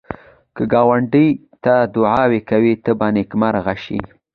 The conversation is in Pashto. که ګاونډي ته دعایې کوې، ته به نېکمرغه شې